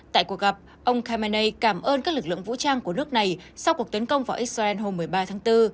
tại cuộc gặp ông kamenei cảm ơn các lực lượng vũ trang của nước này sau cuộc tấn công vào israel hôm một mươi ba tháng bốn